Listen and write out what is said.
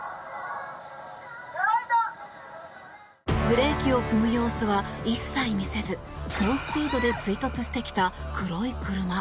ブレーキを踏む様子は一切見せず猛スピードで追突してきた黒い車。